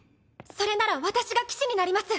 それなら私が騎士になります。